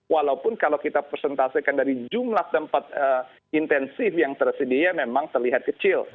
walaupun kalau kita persentasekan dari jumlah tempat intensif yang tersedia memang terlihat kecil